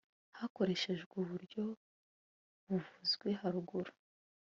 hakoreshejwe uburyo buvuzwe haruguru